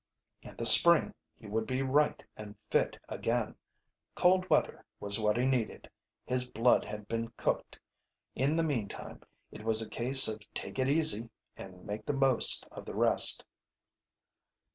In the spring he would be right and fit again. Cold weather was what he needed. His blood had been cooked. In the meantime it was a case of take it easy and make the most of the rest.